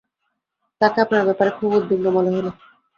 তাঁকে আপনার ব্যাপারে খুব উদ্বিগ্ন মনে হল।